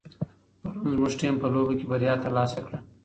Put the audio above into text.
پرون زموږ ټیم په لوبه کې بریا ترلاسه کړه.